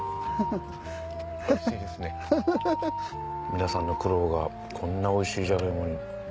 皆さんの苦労がこんなおいしいジャガイモに。